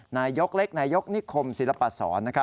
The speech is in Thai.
นายยกเล็กนายยกนิคมศิลปสรรค์